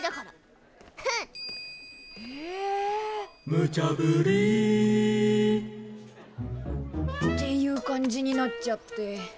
「むちゃぶり」っていう感じになっちゃって。